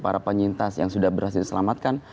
para penyintas yang sudah berhasil diselamatkan